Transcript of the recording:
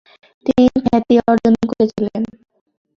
তিনি খ্যাতি অর্জন করেছিলেন।